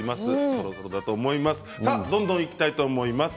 そろそろだと思います。